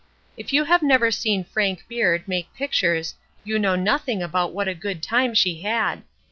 If you have never seen Frank Beard make pictures you know nothing about what a good time she had.